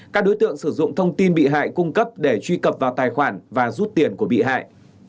các đối tượng sử dụng thông tin bị hại cung cấp để truy cập vào tài khoản và rút tiền của bị hại